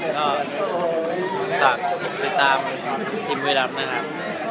ก็ตามทีมบริษัทนะครับ